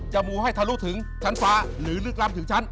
มูให้ทะลุถึงชั้นฟ้าหรือลึกล้ำถึงชั้น